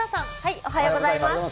おはようございます。